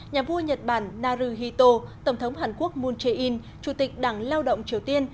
nhà vua nhật bản naruhito tổng thống hàn quốc moon jae in chủ tịch đảng lao động triều tiên